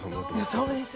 そうですね。